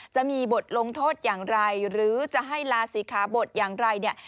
จะมีบทลงโทษอย่างไรหรือจะให้ลาศีขาบทอย่างไรเนี่ย